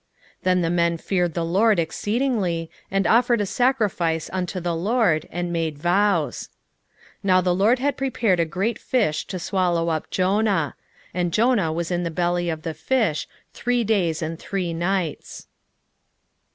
1:16 Then the men feared the LORD exceedingly, and offered a sacrifice unto the LORD, and made vows. 1:17 Now the LORD had prepared a great fish to swallow up Jonah. And Jonah was in the belly of the fish three days and three nights.